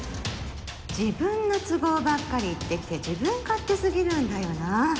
自分の都合ばっかり言ってきて自分勝手すぎるんだよな！